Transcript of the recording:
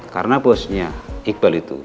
karena bosnya iqbal itu